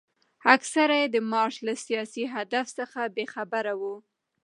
اکثره یې د مارش له سیاسي هدف څخه بې خبره وو.